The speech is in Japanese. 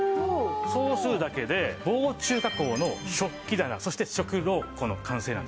そうするだけで防虫加工の食器棚そして食糧庫の完成なんです。